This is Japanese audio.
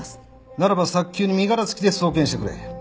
ならば早急に身柄付きで送検してくれ。